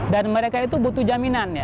dan mereka itu butuh jaminan